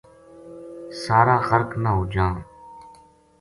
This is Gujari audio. سارا غرق نہ ہو جاں